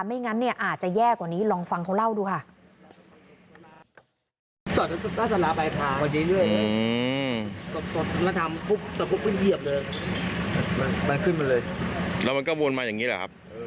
ไม่งั้นเนี่ยอาจจะแย่กว่านี้ลองฟังเขาเล่าดูค่ะ